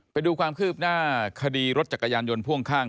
ไปดูความคืบหน้าคดีรถจักรยานยนต์พ่วงข้าง